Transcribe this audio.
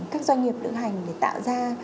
các doanh nghiệp lựa hành để tạo ra